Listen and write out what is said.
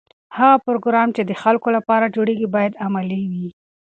هغه پروګرام چې د خلکو لپاره جوړیږي باید عملي وي.